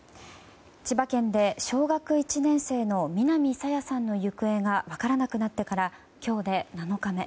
千葉県で小学１年生の南朝芽さんの行方が分からなくなってから今日で７日目。